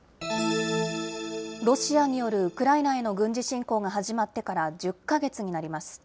ロシアによるウクライナへの軍事侵攻が始まってから１０か月になります。